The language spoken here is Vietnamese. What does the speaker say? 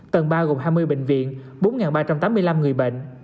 tầng ba gồm hai mươi bệnh viện bốn ba trăm tám mươi năm người bệnh